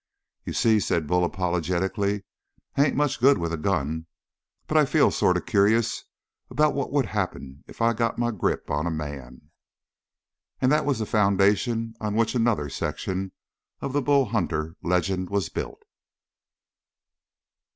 "You see," said Bull apologetically, "I ain't much good with a gun, but I feel sort of curious about what would happen if I got my grip on a man." And that was the foundation on which another section of the Bull Hunter legend was built.